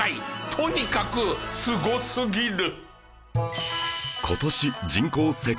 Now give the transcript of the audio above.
とにかくすごすぎる！